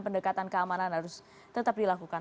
pendekatan keamanan harus tetap dilakukan